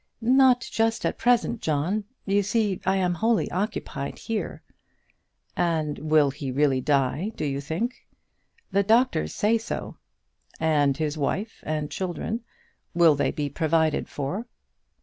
"Not just at present, John. You see I am wholly occupied here." "And will he really die, do you think?" "The doctors say so." "And his wife and children will they be provided for?"